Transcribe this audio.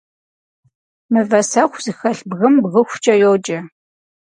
Мывэсэхуу зэхэлъ бгым бгыхукӏэ йоджэ.